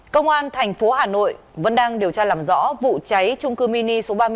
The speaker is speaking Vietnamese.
công an thành phố hà nội vẫn đang điều tra làm rõ vụ cháy trung cư mini số ba mươi bảy